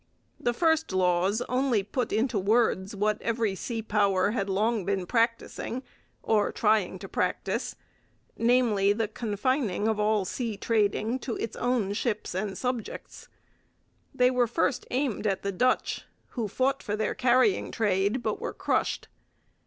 The first laws only put into words what every sea power had long been practising or trying to practise: namely, the confining of all sea trading to its own ships and subjects. They were first aimed at the Dutch, who fought for their carrying trade but were crushed.